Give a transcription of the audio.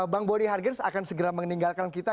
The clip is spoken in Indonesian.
bang boni hargens akan segera meninggalkan kita